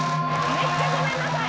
めっちゃごめんなさい。